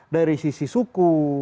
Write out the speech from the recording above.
dari sisi suku